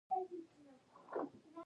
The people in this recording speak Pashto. د انګورو ریښې اوبه لټوي.